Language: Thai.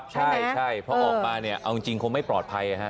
ใช่พอออกมาเนี่ยเอาจริงคงไม่ปลอดภัย